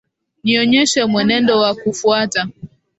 Nionyeshe mwenendo wa kufuata.